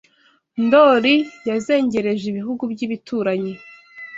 Ndoli yazengereje ibihugu by’ibituranyi